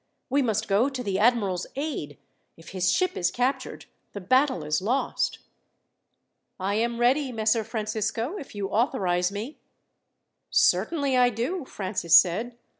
"We must go to the admiral's aid. If his ship is captured, the battle is lost." "I am ready, Messer Francisco, if you authorize me." "Certainly I do," Francis said.